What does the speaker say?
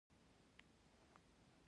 د بانکي کارتونو کارول وخت سپموي.